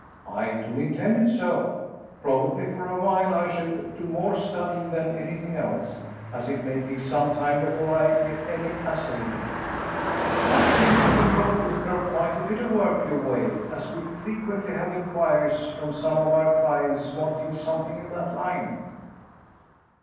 "I do intend it so. Probably for a while I shall do more studying than anything else, as it may be some time before I get any assaying." "I think we can probably throw quite a bit of work your way, as we frequently have inquiries from some of our clients wanting something in that line."